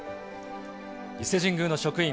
伊勢神宮の職員